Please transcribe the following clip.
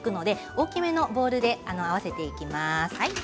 大きめのボウルで合わせていきます。